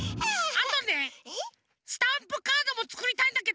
あとねスタンプカードもつくりたいんだけど。